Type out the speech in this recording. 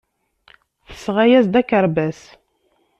Tesɣa-as-d akerbas.